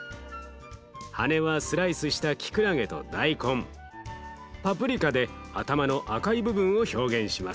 羽はスライスしたきくらげと大根パプリカで頭の赤い部分を表現します。